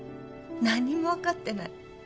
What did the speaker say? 何にもわかってない。